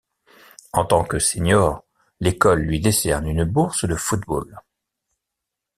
En tant que senior, l’école lui décerne une bourse de football.